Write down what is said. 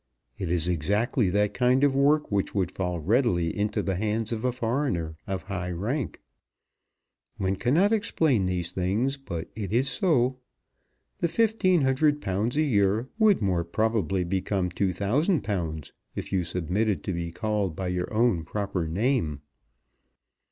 It is exactly that kind of work which would fall readily into the hands of a foreigner of high rank. One cannot explain these things, but it is so. The £1500 a year would more probably become £2000 if you submitted to be called by your own proper name."